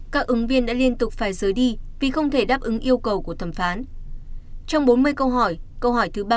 các ứng viên đã liên tục phải rớ đi vì không thể đáp ứng yêu cầu của thẩm phán